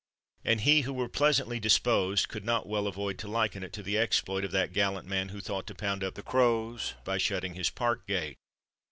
And he who were pleasantly disposed could not well avoid to liken it to the exploit of that gallant man who thought to pound up the crows by shutting his park gate.